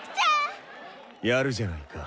やるじゃないか。